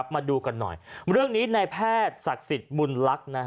มาดูกันหน่อยเรื่องนี้ในแพทย์ศักดิ์สิทธิ์บุญลักษณ์